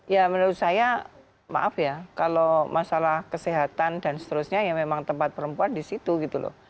ya menurut saya maaf ya kalau masalah kesehatan dan seterusnya ya memang tempat perempuan di situ gitu loh